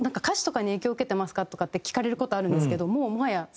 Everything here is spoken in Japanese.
歌詞とかに影響受けてますか？とかって聞かれる事あるんですけどもうもはや。